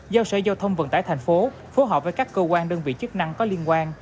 giao sở giao thông vận tải thành phố phối hợp với các cơ quan đơn vị chức năng có liên quan